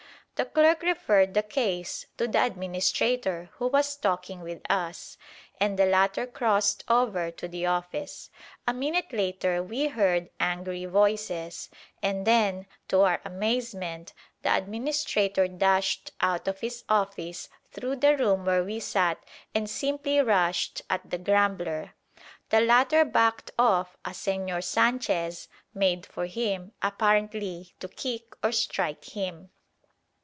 The clerk referred the case to the administrator, who was talking with us, and the latter crossed over to the office. A minute later we heard angry voices, and then, to our amazement, the administrator dashed out of his office through the room where we sat and simply rushed at the grumbler. The latter backed off as Señor Sanchez made for him, apparently to kick or strike him.